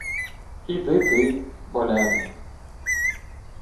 — Піди ти, болярине.